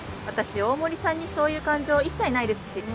私大森さんにそういう感情一切ないですし。